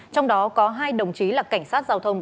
trong đó có hai đồng chí là cảnh sát giao thông